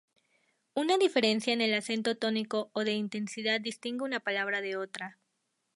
Una diferencia en el acento tónico o de intensidad distingue una palabra de otra.